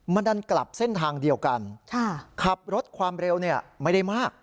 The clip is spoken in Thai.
มันดันกลับเส้นทางเดียวกันขับรถความเร็วไม่ได้มาก